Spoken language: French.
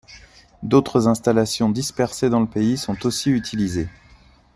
D'autres installations dispersées dans le pays sont aussi utilisées.